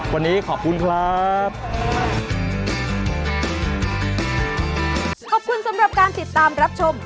วันนี้ขอบคุณครับ